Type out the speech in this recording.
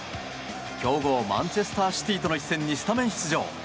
強豪マンチェスター・シティーとの一戦に、スタメン出場。